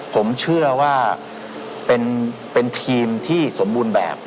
ผมเชื่อว่าเป็นทีมที่สมบูรณ์แบบ